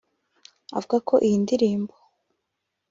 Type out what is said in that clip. avuga ko iyi ndirimbo